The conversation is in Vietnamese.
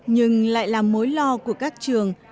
nhưng lại là mối lo của các trường